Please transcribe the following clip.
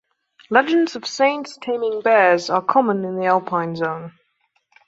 Legends of saints taming bears are common in the Alpine zone.